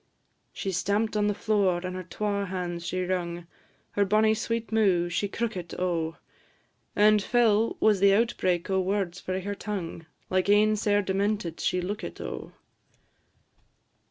She stamp'd on the floor, and her twa hands she wrung, Her bonny sweet mou' she crookit, O! And fell was the outbreak o' words frae her tongue; Like ane sair demented she lookit, O!